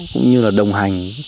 cũng như là đồng hành